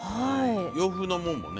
洋風のもんもね。